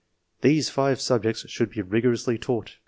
These five subjects should be rigorously taught.